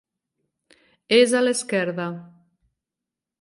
És a l'Esquerda.